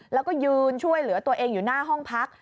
แล้วก็ยืนช่วยเหลือตัวเองอยู่หน้าห้องพัก